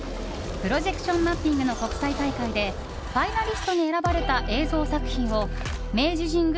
プロジェクションマッピングの国際大会でファイナリストに選ばれた映像作品を明治神宮